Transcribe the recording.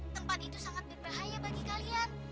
tempat itu sangat berbahaya bagi kalian